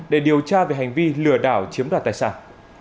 để điều tra về hành vi lừa đảo chiếm đoạt tài sản